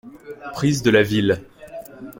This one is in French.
- Prise de la ville.